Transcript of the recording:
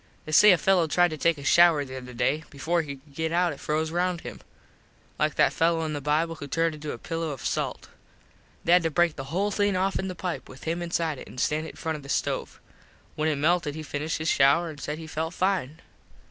They say a fello tried to take a shouer the other day. Before he could get out it froze round him. Like that fello in the bible who turned into a pillo of salt. They had to break the whole thing offen the pipe with him inside it an stand it in front of the stove. When it melted he finished his shouer an said he felt fine.